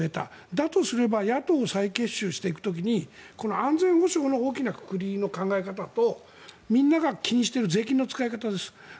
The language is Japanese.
だとすると野党を再結集する時にこの安全保障の大きなくくりの考え方とみんなが気にしている税金の使い方です。